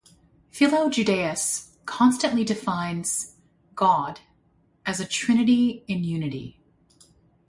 Philo Judaeus constantly defines God as a Trinity in Unity.